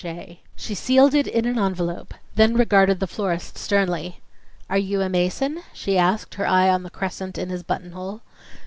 J." She sealed it in an envelope, then regarded the florist sternly. "Are you a Mason?" she asked, her eye on the crescent in his buttonhole.